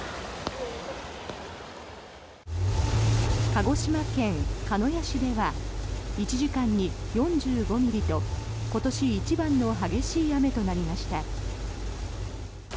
鹿児島県鹿屋市では１時間に４５ミリと今年一番の激しい雨となりました。